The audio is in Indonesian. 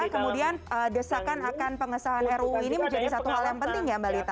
kemudian desakan akan pengesahan ruu ini menjadi satu hal yang penting ya mbak lita